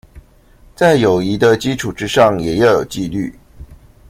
在友誼的基礎之上也要有紀律